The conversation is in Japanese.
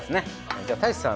じゃあ太一さん